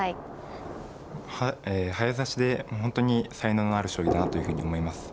え早指しで本当に才能のある将棋だなというふうに思います。